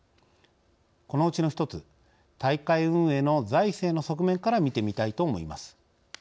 このうちの一つ大会運営の財政の側面から見てみたいと思います。